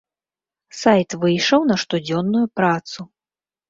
Сайт выйшаў на штодзённую працу.